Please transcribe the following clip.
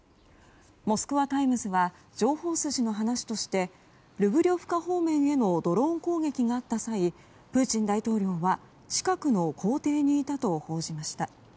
モスクワ・タイムズは情報筋の話としてルブリョフカ方面へのドローン攻撃があった際プーチン大統領は近くの公邸にいたと報じました。